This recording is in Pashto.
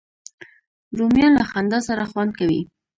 رومیان له خندا سره خوند کوي